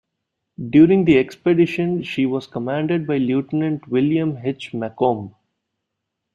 During the expedition she was commanded by Lieutenant William H. Macomb.